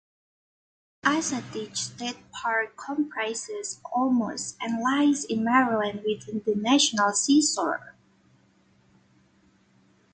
Assateague State Park comprises almost and lies in Maryland within the National Seashore.